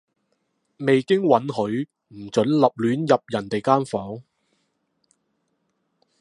未經允許，唔准立亂入人哋間房